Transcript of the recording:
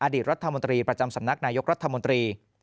อดีตรัฐมนตรีประจำสำนักนายกรัฐมนตรี